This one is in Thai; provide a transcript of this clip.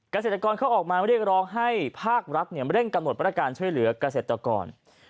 เกษตรกรเขาออกมาเรียกร้องให้ภาครัฐเร่งกำหนดประการช่วยเหลือกเกษตรกร